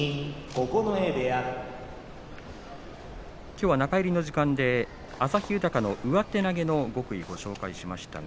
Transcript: きょうは中入りの時間で旭豊の上手投げの極意をお伝えしました。